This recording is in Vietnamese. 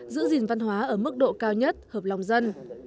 giữ gìn văn hóa ở mức độ cao nhất hợp lòng dân